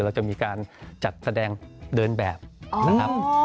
เราจะมีการจัดแสดงเดินแบบนะครับ